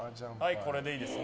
これでいいですね。